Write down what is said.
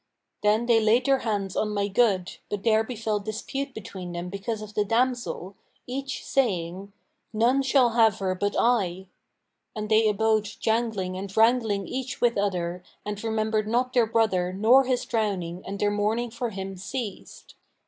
Then they laid their hands on my good, but there befel dispute between them because of the damsel, each saying, 'None shall have her but I.' And they abode jangling and wrangling each with other and remembered not their brother nor his drowning and their mourning for him ceased.